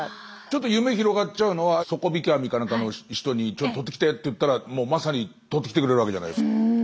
ちょっと夢広がっちゃうのは底引き網かなんかの人にとってきてって言ったらまさにとってきてくれるわけじゃないですか。